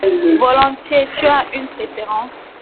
Volontiers, tu as une préfèrence?